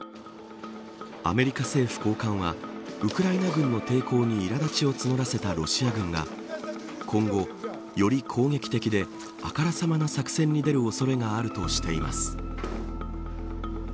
アメリカ政府高官はウクライナ軍の抵抗にいら立ちを募らせたロシア軍が今後、より攻撃的であからさまな作戦に出る恐れがあるとしています。